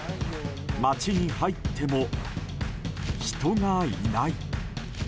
街に入っても人がいない。